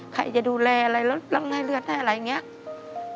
ใครจะดูแลอะไรแล้วร้องไห้เลือดให้อะไรอย่างนี้